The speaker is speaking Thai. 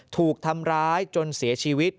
ถูกทำร้ายจนเสียชีวิต